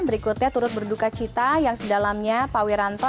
berikutnya turut berduka cita yang sedalamnya pak wiranto